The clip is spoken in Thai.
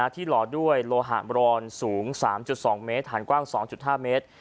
หล่อด้วยโลหะบรอนสูง๓๒เมตรฐานกว้าง๒๕เมตร